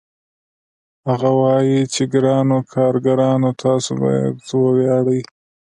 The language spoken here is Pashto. هغه وايي چې ګرانو کارګرانو تاسو باید وویاړئ